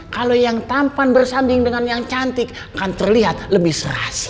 kalau yang tampan bersanding dengan yang cantik akan terlihat lebih serasa